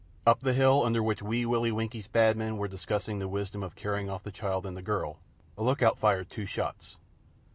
Up the hill under which Wee Willie Winkie's Bad Men were discussing the wisdom of carrying off the child and the girl, a look out fired two shots.